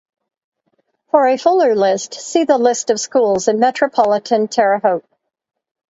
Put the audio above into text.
For a fuller list, see the List of schools in metropolitan Terre Haute.